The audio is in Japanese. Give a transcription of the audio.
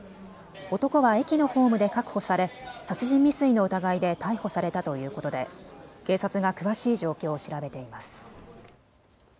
男は駅のホームで確保され殺人未遂の疑いで逮捕されたということで警察が詳しい状況を調べています。